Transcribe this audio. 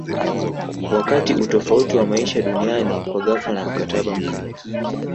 wakati utofauti wa maisha duniani kwa ghafla na mkataba mkali